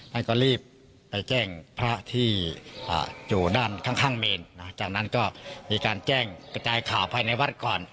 ท่านก็รีบไปแจ้งพระที่อยู่ด้านข้างเมนจากนั้นก็มีการแจ้งกระจายข่าวภายในวัดก่อน